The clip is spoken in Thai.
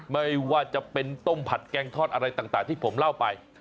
ไม่ว่าจะเป็นต้มผัดแกงทอดอะไรต่างที่ผมเล่าไป